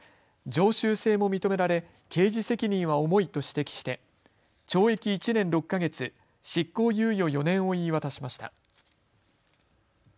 常習性も認められ、刑事責任は重いと指摘して懲役１年６か月、執行猶予４年を言い渡しました。